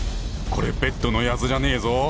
これベッドのやつじゃねえぞ！